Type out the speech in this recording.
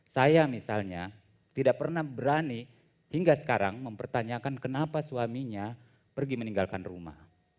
saya misalnya tidak pernah berani hingga sekarang mempertanyakan kenapa suaminya pergi meninggalkan rumah